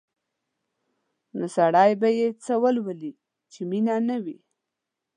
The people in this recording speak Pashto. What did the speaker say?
نو سړی به یې څه ولولي چې مینه نه وي؟